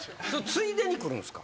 ついでに来るんすか？